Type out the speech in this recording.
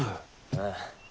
ああ。